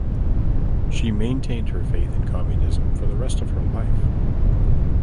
She maintained her faith in communism for the rest of her life.